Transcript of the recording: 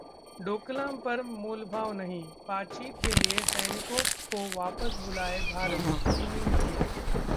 डोकलाम पर मोलभाव नहीं, बातचीत के लिए सैनिकों को वापस बुलाए भारतः चीनी मीडिया